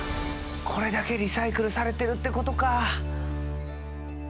これだけリサイクルされてるってことか。